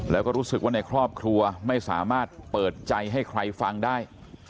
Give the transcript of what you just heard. แล้วก็รู้สึกว่าในครอบครัวไม่สามารถเปิดใจให้ใครฟังได้